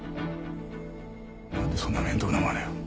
なんでそんな面倒なまねを。